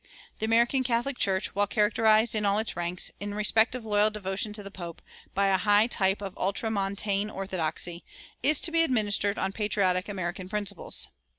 The American Catholic Church, while characterized in all its ranks, in respect of loyal devotion to the pope, by a high type of ultramontane orthodoxy, is to be administered on patriotic American principles.